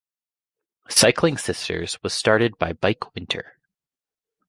Cycling Sisters was started by Bike Winter.